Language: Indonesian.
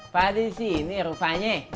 pak di sini rupanya